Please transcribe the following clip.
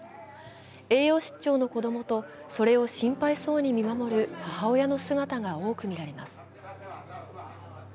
栄養失調の子供とそれを心配そうに見守る母親の姿が多く見られます。